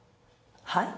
はい？